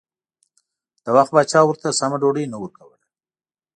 د وخت پاچا ورته سمه ډوډۍ نه ورکوله.